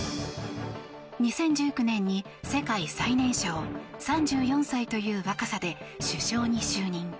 ２０１９年に世界最年少３４歳という若さで首相に就任。